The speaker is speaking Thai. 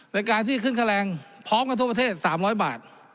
ในการที่ขึ้นค่าแรงพร้อมกันทั่วประเทศ๓๐๐บาท